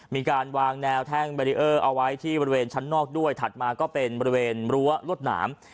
มีการวางแนวแท่งเบรีเออร์เอาไว้ที่บริเวณชั้นนอกด้วยถัดมาก็เป็นบริเวณรั้วรวดหนาม